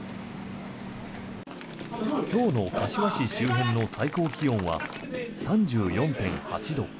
今日の柏市周辺の最高気温は３４．８度。